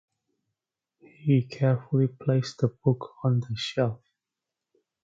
He carefully placed the book on the shelf.